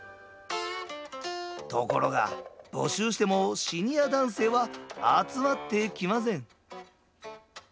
ところが、募集してもシニア男性は集まってきません。